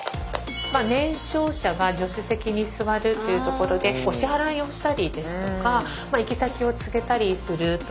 年少者が助手席に座るっていうところでお支払いをしたりですとか行き先を告げたりするという意味で。